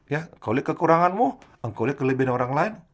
ya kau lihat kekuranganmu kau lihat kelebihan orang lain